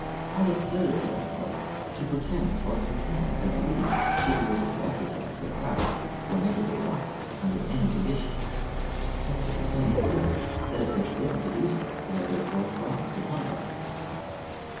How absurd, therefore, to pretend or contend that mediums should be able to ex ercise their powers, whenever they want them, under any conditions! And to contend, further, that if they fail to do so they are therefore frauds and humbugs!